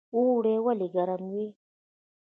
اوړی ولې ګرم وي؟